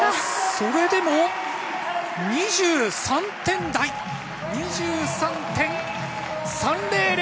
それでも２３点台！２３．３００。